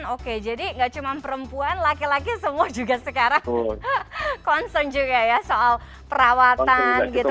oke jadi gak cuma perempuan laki laki semua juga sekarang concern juga ya soal perawatan gitu